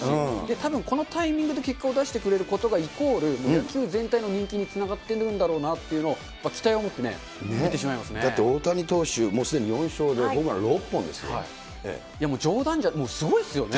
たぶん、このタイミングで結果を出してくれることがイコール、野球全体の人気につながってくれるんだなという期待を持って見てだって大谷投手、もうすでにもうすごいですよね。